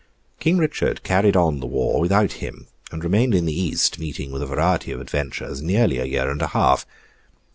King Richard carried on the war without him; and remained in the East, meeting with a variety of adventures, nearly a year and a half.